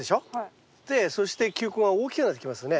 そして球根が大きくなってきますよね。